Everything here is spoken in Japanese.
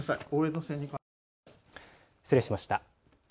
失礼しました。